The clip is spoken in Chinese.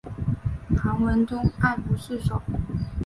唐文宗爱不释手。